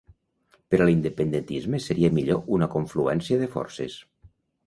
Per a l'independentisme seria millor una confluència de forces.